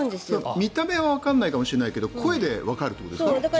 見た目はわからないかもしれないけど声でわかるということですかね。